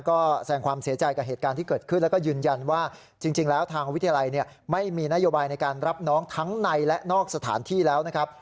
ก็แสงความเสียใจกับเหตุการณ์ที่เกิดขึ้นแล้วก็ยืนยันว่าจริงแล้วทางวิทยาลัยไม่มีนโยบายในการรับน้องทั้งในและนอกสถานที่แล้วนะครับ